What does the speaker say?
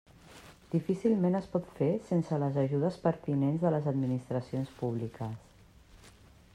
Difícilment es pot fer sense les ajudes pertinents de les administracions públiques.